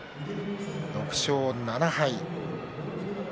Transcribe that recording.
６勝７敗。